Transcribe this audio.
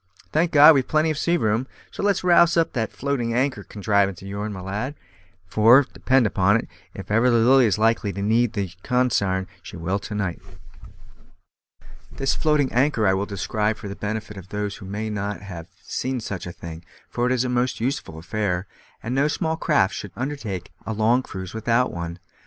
Thank God, we've plenty of sea room; so let's rouse up that floating anchor contrivance of yourn, my lad, for, depend upon it, if ever the Lily is likely to need the consarn, she will to night." This floating anchor I will describe for the benefit of those who may not have seen such a thing, for it is a most useful affair, and no small craft should undertake a long cruise without one.